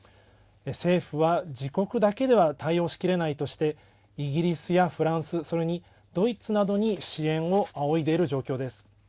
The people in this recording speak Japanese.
政府は自国だけでは対応しきれないとしてイギリスやフランスそれにドイツなどに支援を仰いでいる状況です。